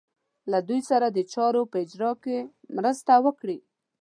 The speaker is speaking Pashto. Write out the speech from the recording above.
له دوی سره د چارو په اجرا کې مرسته وکړي.